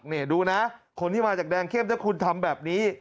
นี่ดูนะคนที่มาจากแดงเข้มถ้าคุณทำแบบนี้